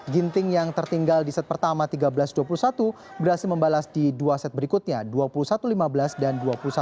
ginting yang tertinggal di set pertama tiga belas dua puluh satu berhasil membalas di dua set berikutnya dua puluh satu lima belas dan dua puluh satu dua belas